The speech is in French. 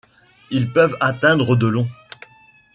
Ils peuvent atteindre de long.